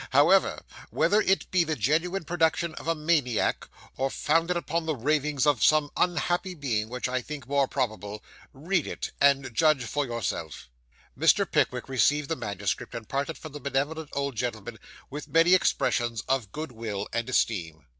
However, whether it be the genuine production of a maniac, or founded upon the ravings of some unhappy being (which I think more probable), read it, and judge for yourself.' Mr. Pickwick received the manuscript, and parted from the benevolent old gentleman with many expressions of good will and esteem.